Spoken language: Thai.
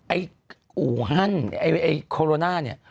ไอ้อู่ฮั่นไอ้โคโรนาเนี่ย